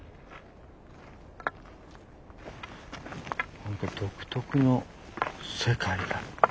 何か独特の世界だ。